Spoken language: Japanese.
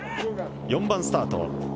４番スタート。